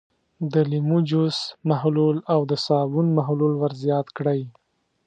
د لیمو جوس محلول او د صابون محلول ور زیات کړئ.